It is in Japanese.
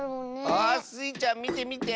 あスイちゃんみてみて。